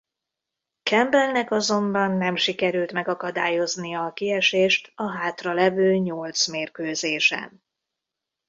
Campbellnek azonban nem sikerült megakadályoznia a kiesést a hátralevő nyolc mérkőzésen.